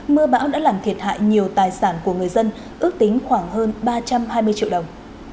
mưa bão đã làm thiệt hại nhiều tài sản của người dân ước tính khoảng hơn ba trăm hai mươi triệu đồng